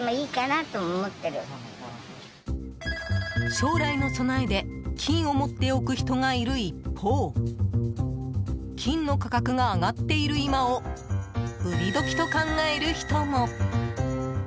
将来の備えで金を持っておく人がいる一方金の価格が上がっている今を売り時と考える人も。